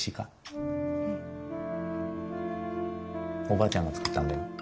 おばあちゃんが作ったんだよ。